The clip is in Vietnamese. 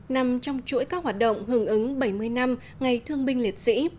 nằm trong chuỗi các hoạt động hưởng ứng bảy mươi năm ngày thương binh liệt sĩ